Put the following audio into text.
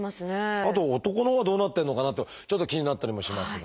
あと男のほうはどうなってるのかなとちょっと気になったりもしますが。